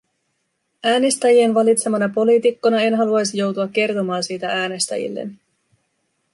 Äänestäjien valitsemana poliitikkona en haluaisi joutua kertomaan sitä äänestäjilleni.